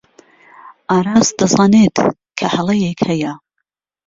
ئاراس دەزانێت کە هەڵەیەک هەیە.